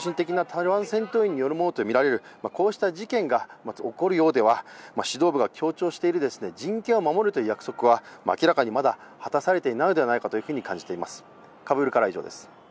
末端の狂信的なタリバン戦闘員によるもとのみられるこうした事件が起こるようでは指導部が強調している人権を守るという約束は、明らかに果たされていないのではないかと感じます。